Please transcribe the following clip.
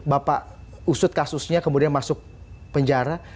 bapak usut kasusnya kemudian masuk penjara